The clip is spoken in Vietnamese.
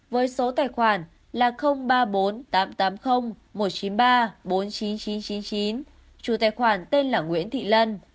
với số tài khoản là ba bốn tám tám không một chín ba bốn chín chín chín chín trụ tài khoản tên là nguyễn thị lân